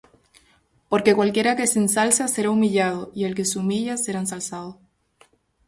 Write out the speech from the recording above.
Porque cualquiera que se ensalza, será humillado; y el que se humilla, será ensalzado.